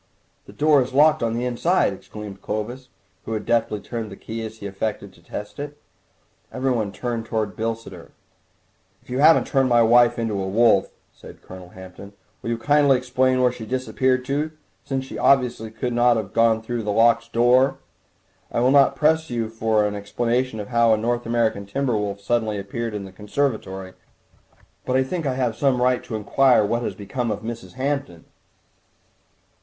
"The door is locked on the inside!" exclaimed Clovis, who had deftly turned the key as he affected to test it. Everyone turned towards Bilsiter. "If you haven't turned my wife into a wolf," said Colonel Hampton, "will you kindly explain where she has disappeared to, since she obviously could not have gone through a locked door? I will not press you for an explanation of how a North American timber wolf suddenly appeared in the conservatory, but I think I have some right to inquire what has become of Mrs. Hampton."